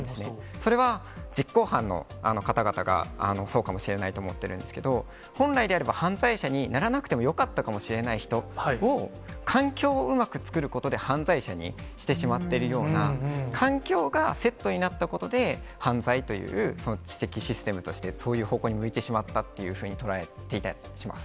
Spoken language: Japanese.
それは実行犯の方々がそうかもしれないと思ってるんですけれども、本来であれば犯罪者にならなくてもよかった人を、環境をうまく作ることで、犯罪者にしてしまっているような、環境がセットになったことで、犯罪という知的システムとして、そういう方向に向いてしまったというふうに捉えていたりします。